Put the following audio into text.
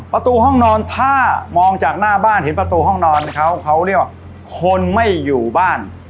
ประตูห้องนอนถ้ามองจากหน้าบ้านเห็นประตูห้องนอนเขาเขาเรียกว่าคนไม่อยู่บ้าน